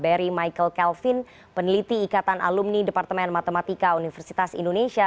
berry michael kelvin peneliti ikatan alumni departemen matematika universitas indonesia